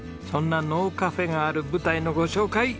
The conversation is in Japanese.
そんなのうカフェがある舞台のご紹介